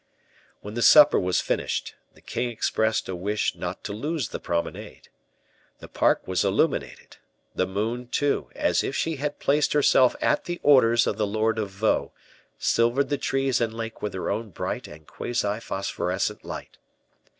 When the supper was finished, the king expressed a wish not to lose the promenade. The park was illuminated; the moon, too, as if she had placed herself at the orders of the lord of Vaux, silvered the trees and lake with her own bright and quasi phosphorescent light.